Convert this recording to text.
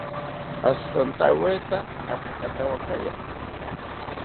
Ashirontaweta atzipatawakaya